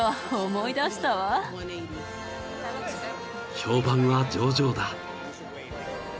［評判は上々だ］